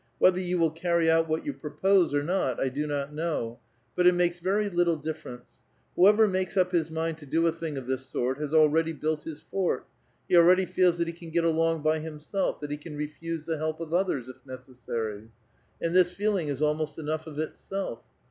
Whether you will carry out what you propose or not, I do not know ; but it makes very litde difference : whoever makes up his mind to do a thing of this sort has alrea<ly built his fort ; he already feels that he can get along b^' hhnself ; that he can refuse the help of others, if necessary, and this feeling is almost enough of itself.